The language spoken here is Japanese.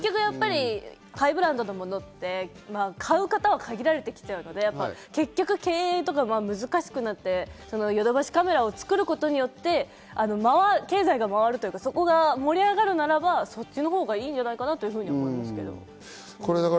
ハイブランドのものって買う方が限られてきちゃうので、経営とかが難しくなってヨドバシカメラを作ることによって、経済が回るというか、そこが盛り上がるなら、そっちの方がいいんじゃないかなと思いますけど。